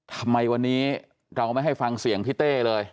ทำไมวันนี้เราไม่ให้ฟังเสียงพี่เต้เลย